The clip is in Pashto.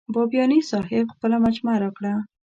بیاباني صاحب خپله مجموعه راکړه.